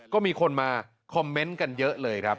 ก็มีคนมาคอมเมนต์กันเยอะเลยครับ